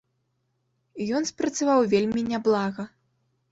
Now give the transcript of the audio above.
І ён спрацаваў вельмі няблага.